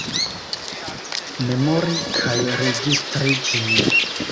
Memori kaj registri ĝin.